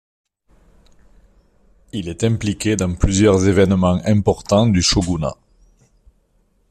Il est impliqués dans plusieurs événements importants du shogunat.